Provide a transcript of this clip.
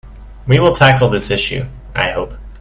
We will tackle this issue, I hope.